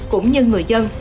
cũng như người dân